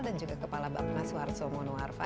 dan juga kepala bangunan suarzo mono arfa